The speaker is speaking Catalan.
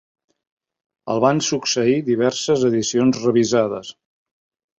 El van succeir diverses edicions revisades.